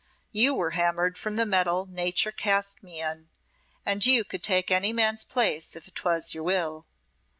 You were hammered from the metal nature cast me in, and you could take any man's place if 'twas your will.